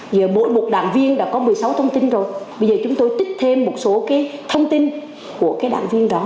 giờ mỗi một đảng viên đã có một mươi sáu thông tin rồi bây giờ chúng tôi tích thêm một số thông tin của đảng viên đó